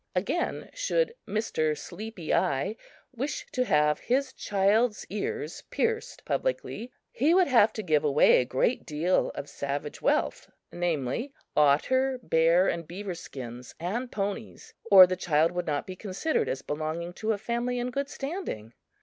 Again, should (Mr.) Sleepy Eye wish to have his child's ears pierced publicly, he would have to give away a great deal of savage wealth namely, otter, bear and beaver skins and ponies or the child would not be considered as belonging to a family in good standing.